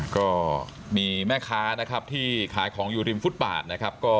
ก็มีแม่ค้านะครับที่ขายของอยู่ริมฟุตบาทนะครับ